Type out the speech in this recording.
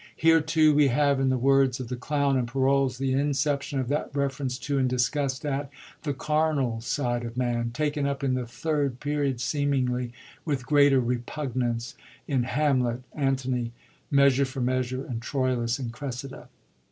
Here, too, we have in the words of the Clown and Parolles the in ception of that reference to, and disgust at, the carnal side of man, taken up in the Third Period, seemingly with greater repugnance, in Hamlet, Antony, Measure for Measv/re, and TroUvs and Creasida.